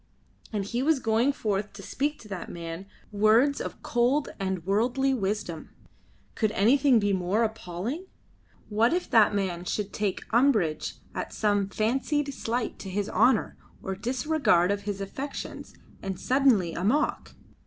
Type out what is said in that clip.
And he was going forth to speak to that man words of cold and worldly wisdom. Could anything be more appalling? What if that man should take umbrage at some fancied slight to his honour or disregard of his affections and suddenly "amok"?